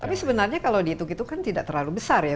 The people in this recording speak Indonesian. tapi sebenarnya kalau dihitung itu kan tidak terlalu besar ya